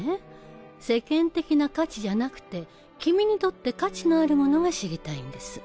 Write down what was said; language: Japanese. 世間的な価値じゃなくて君にとって価値のあるものが知りたいんです。